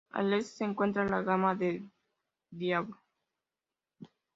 Al este se encuentra la gama de Diablo.